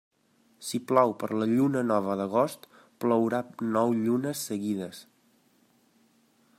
Si plou per la lluna nova d'agost, plourà nou llunes seguides.